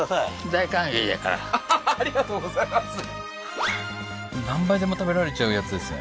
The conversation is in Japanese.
大歓迎やからはははっありがとうございます何杯でも食べられちゃうやつですね